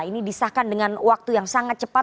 ini disahkan dengan waktu yang sangat cepat